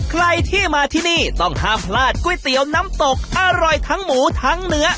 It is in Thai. ใครที่มาที่นี่ต้องห้ามพลาดก๋วยเตี๋ยวน้ำตกอร่อยทั้งหมูทั้งเนื้อ